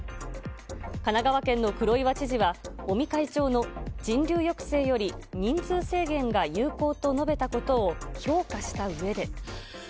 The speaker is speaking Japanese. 神奈川県の黒岩知事は、尾身会長の人流抑制より人数制限が有効と述べたことを評価したうえで。